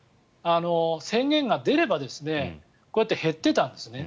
宣言が出ればこうやって減ってたんですね。